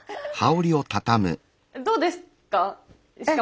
どうですか？